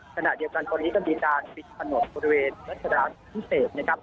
ขณะเดียวกันตอนนี้ก็มีการปิดถนนบนโดยเวนรัฐธรรมพิเศษ